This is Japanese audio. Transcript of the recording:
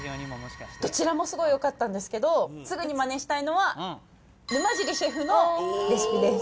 どちらもすごいよかったんですけど、すぐにマネしたいのは、沼尻シェフのレシピです。